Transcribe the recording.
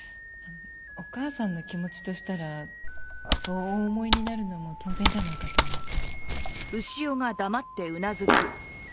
お母さんの気持ちとしたらそうお思いになるのも当然じゃないかと思って。